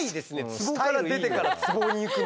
つぼから出てからつぼに行くのが。